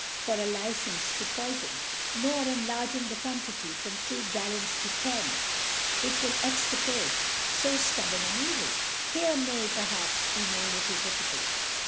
for a Licence to poifon 5 nor enlarging the Quantity from two Gallons to ten, which will extirpate fo ftubborn an Evil. Here may, perhaps, be no little Difficulty.